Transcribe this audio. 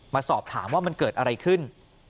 มาสอบถามว่ามันเกิดอะไรขึ้น